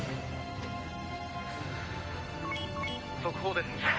「」「速報です」